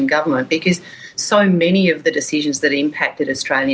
karena banyak banyak keputusan yang mempengaruhi australia